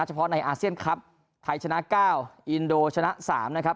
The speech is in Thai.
เฉพาะในอาเซียนครับไทยชนะ๙อินโดชนะ๓นะครับ